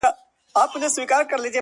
په توره کار دومره سم نسي مگر,